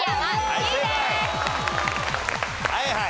はいはい。